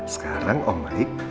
sekarang om baik